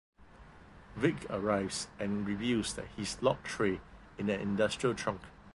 Vic arrives and reveals that he's locked Roy in an industrial trunk.